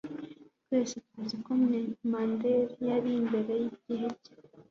Twese tuzi ko Mendel yari imbere yigihe cye